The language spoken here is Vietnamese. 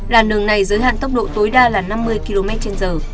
làn đường này giới hạn tốc độ tối đa là năm mươi kmh